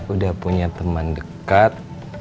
udah punya temen dekat